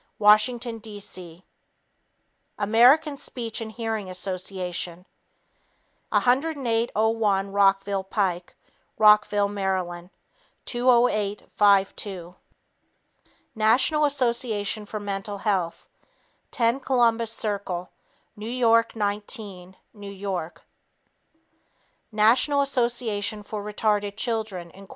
Washington, D. C. American Speech and Hearing Association 10801 Rockville Pike Rockville, Maryland 20852 National Association for Mental Health 10 Columbus Circle New York 19, New York National Association for Retarded Children, Inc.